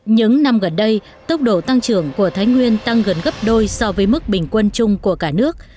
những năm gần đây tốc độ tăng trưởng của thái nguyên tăng gần gấp đôi so với mức bình quân chung của cả nước